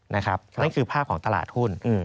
นะครับนั่นคือภาพของตลาดทุน